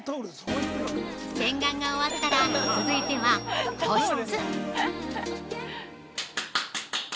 洗顔が終わったら、続いては保湿。